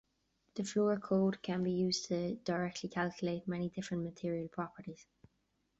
The Fleur code can be used to directly calculate many different material properties.